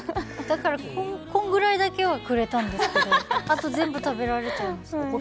だから、このぐらいだけはくれたんですけど、あと全部食べられちゃいました。